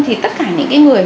thì tất cả những người